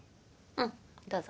うんどうぞ。